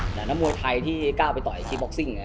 หลังจากมวยไทยที่กล้าไปต่อยคีย์บ็อกซิ่ง